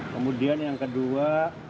kemudian yang kedua